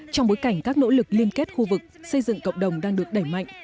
trong bối cảnh các nỗ lực liên kết khu vực xây dựng cộng đồng đang được đẩy mạnh